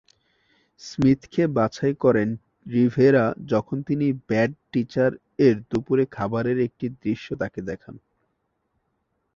স্মিথকে বাছাই করেন রিভেরা যখন তিনি ব্যাড টিচার-এর দুপুরের খাবারের একটি দৃশ্যে তাকে দেখেন।